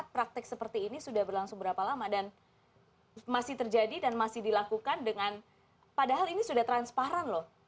padahal ini sudah transparan loh